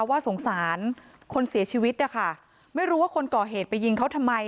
ว่าสงสารคนเสียชีวิตนะคะไม่รู้ว่าคนก่อเหตุไปยิงเขาทำไม